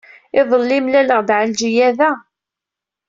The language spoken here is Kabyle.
Iḍelli, mlaleɣ-d Ɛelǧiya da.